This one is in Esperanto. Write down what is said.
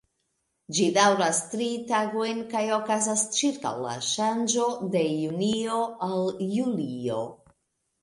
Ĝi daŭras tri tagojn kaj okazas ĉirkaŭ la ŝanĝo de junio al julio.